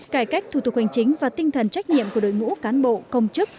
cải cách thủ tục hành chính và tinh thần trách nhiệm của đội ngũ cán bộ công chức